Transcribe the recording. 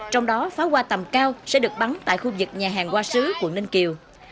trong đó pháo hoa tầm cao sẽ được bắn tại khu vực nhà hàng hoa sứ quận ninh kiều